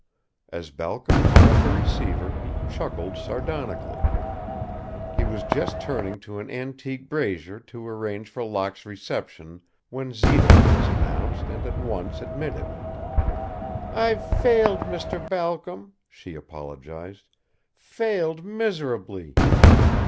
As Balcom hung up the receiver he chuckled sardonically. He was just turning to an antique brazier to arrange for Locke's reception when Zita was announced and at once admitted. "I've failed, Mr. Balcom," she apologized, "failed miserably.